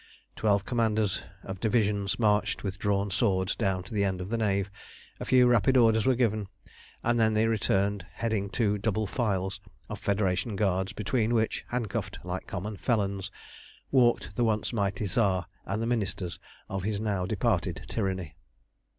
Twelve commanders of divisions marched with drawn swords down to the end of the nave, a few rapid orders were given, and then they returned heading two double files of Federation guards, between which, handcuffed like common felons, walked the once mighty Tsar and the ministers of his now departed tyranny.